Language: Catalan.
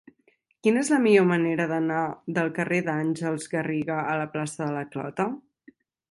Quina és la millor manera d'anar del carrer d'Àngels Garriga a la plaça de la Clota?